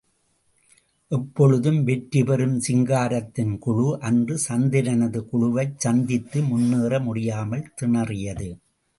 எப்பொழுதும் வெற்றி பெறும் சிங்காரத்தின் குழு, அன்று சந்திரனது குழுவைச் சந்தித்து, முன்னேற முடியாமல் திணறியது.